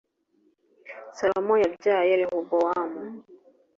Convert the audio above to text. Salomo yabyaye Rehobowamu,